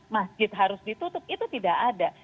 masjid harus ditutup itu tidak ada